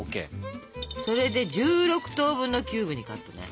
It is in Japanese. それで１６等分のキューブにカットね。